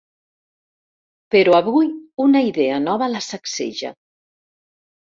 Però avui una idea nova la sacseja.